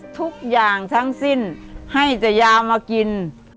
ทุกอย่างทั้งสิ้นให้แต่ยามากิน